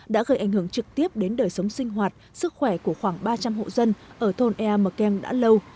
đã gây ảnh hưởng trực tiếp đến đời sống sinh hoạt sức khỏe của khoảng ba trăm linh hộ dân ở thôn ea mờ keng đã lâu